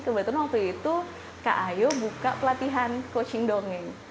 kebetulan waktu itu kak ayo buka pelatihan coaching dongeng